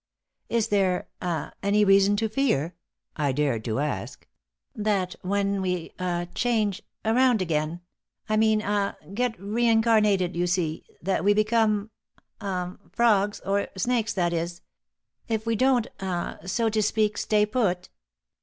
"Is there ah any reason to fear," I dared to ask, "that when we ah change around again I mean ah get reincarnated, you see, that we become ah frogs or or snakes that is, if we don't ah so to speak, stay put?"